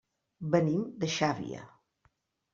Venim de Xàbia.